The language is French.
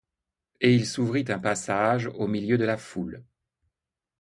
Et il s'ouvrit un passage au milieu de la foule.